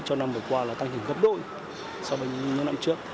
cho năm vừa qua là tăng hình gấp đôi so với những năm trước